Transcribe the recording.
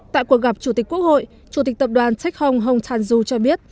tại cuộc gặp chủ tịch quốc hội chủ tịch tập đoàn tech hong hong tan du cho biết